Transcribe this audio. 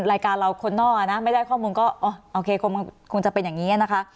รายการเราคนนอกอ่ะนะไม่ได้ข้อมูลก็โอเคคงจะเป็นอย่างนี้นะคะ